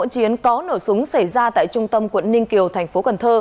vụ chiến có nổ súng xảy ra tại trung tâm quận ninh kiều tp hcm